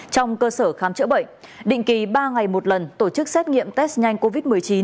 trong cơ sở khám chữa bệnh định kỳ ba ngày một lần tổ chức xét nghiệm test nhanh covid một mươi chín